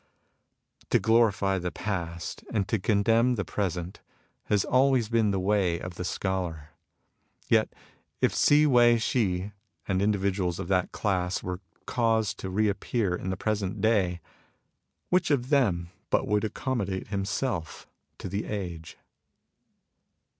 To glorify the past and to condemn the present has always been the way of the scholar. Yet if Hsi Wei Shih ^ and individuals of that class were caused to re appear in the present day, which of them but would accommodate himself to the age?